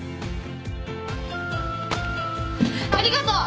ありがとう。